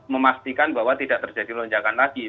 memastikan bahwa tidak terjadi lonjakan lagi